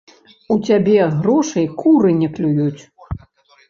У цябе грошай куры не клююць!